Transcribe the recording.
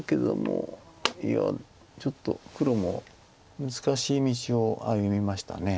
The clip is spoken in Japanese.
いやちょっと黒も難しい道を歩みました。